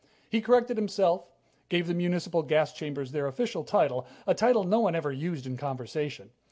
He corrected himself, gave the municipal gas chambers their official title, a title no one ever used in conversation.